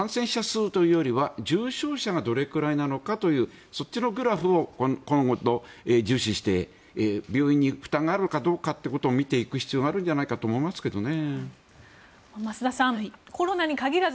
感染者数よりは重症者数がどうなのかというそっちのグラフを今後重視して病院に負担があるかどうかということを見ていく必要があるんじゃないかと思いますけどね。